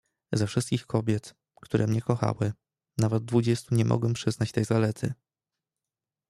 "Ze wszystkich kobiet, które mnie kochały, nawet dwudziestu nie mogę przyznać tej zalety!"